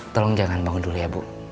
tolong jangan bangun dulu ya bu